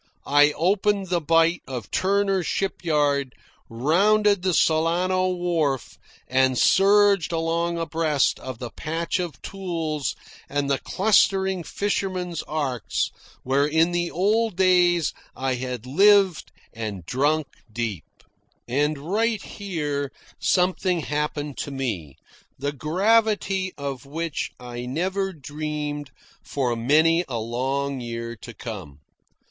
I opened the bight of Turner's Shipyard, rounded the Solano wharf, and surged along abreast of the patch of tules and the clustering fishermen's arks where in the old days I had lived and drunk deep. And right here something happened to me, the gravity of which I never dreamed for many a long year to come.